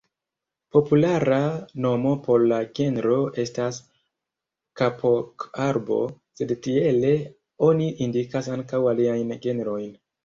Populara nomo por la genro estas "kapok-arbo", sed tiele oni indikas ankaŭ aliajn genrojn.